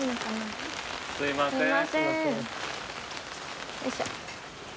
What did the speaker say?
すいません。